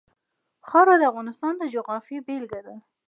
خاوره د افغانستان د جغرافیې بېلګه ده.